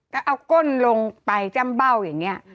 ให้เอาก้นลงไปจ้ำเบ่าแบบเนี่ย